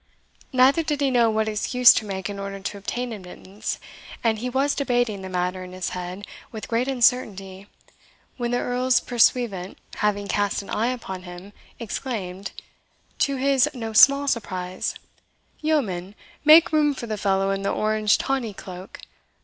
Neither did he know what excuse to make in order to obtain admittance, and he was debating the matter in his head with great uncertainty, when the Earl's pursuivant, having cast an eye upon him, exclaimed, to his no small surprise, "Yeomen, make room for the fellow in the orange tawny cloak.